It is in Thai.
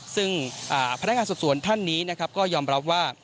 ซึ่งพนักงานสอบสวนท่านนี้นะครับก็ยอมรับว่า